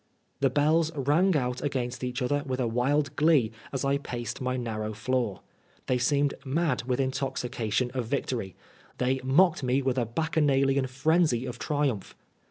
The bells rang out against each other with a wild glee as I paced my narrow floor. They seemed mad with intoxication of victory ; they mocked me with a bacchanalian frenzy of triumph.